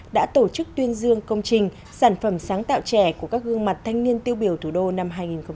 đã tổ chức tuyên dương công trình sản phẩm sáng tạo trẻ của các gương mặt thanh niên tiêu biểu thủ đô năm hai nghìn một mươi chín